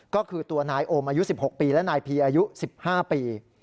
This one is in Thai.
ก็คือตัวนายโอมอายุ๑๖ปีและนายพีอายุ๑๕ปี